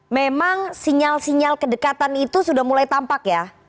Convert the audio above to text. memang sinyal sinyal kedekatan itu sudah mulai tampak ya